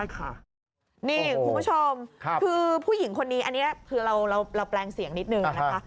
คือผู้หญิงคนนี้อันนี้เราแปลงเสียงนิดหนึ่งนะคะ